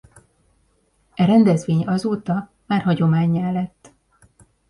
E rendezvény azóta már hagyománnyá lett.